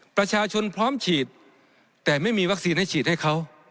ประชาชนพร้อมฉีดแต่ไม่มีวัคซีนให้ฉีดให้เขา